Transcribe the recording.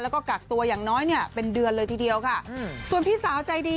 แล้วก็กักตัวอย่างน้อยเนี่ยเป็นเดือนเลยทีเดียวค่ะอืมส่วนพี่สาวใจดี